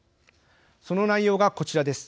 その内容がこちらです。